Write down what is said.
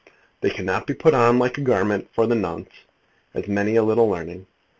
They cannot be put on like a garment for the nonce, as may a little learning.